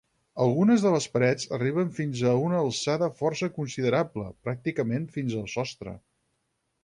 Algunes de les parets arriben fins a una alçada força considerable, pràcticament fins al sostre.